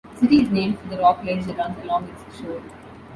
The city is named for the rock ledge that runs along its shore.